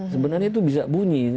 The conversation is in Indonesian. sebenarnya itu bisa bunyi